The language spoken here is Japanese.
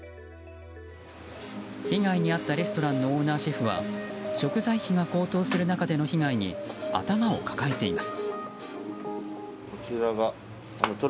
被害に遭ったレストランのオーナーシェフは食材費が高騰する中での被害に頭を抱えています。